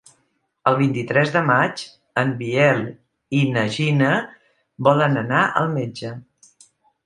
El vint-i-tres de maig en Biel i na Gina volen anar al metge.